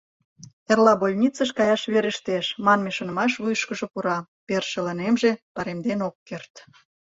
— Эрла больницыш каяш верештеш, — манме шонымаш вуйышкыжо пура, — першылын эмже паремден ок керт.